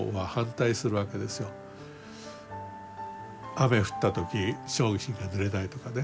雨降ったとき商品が濡れないとかね。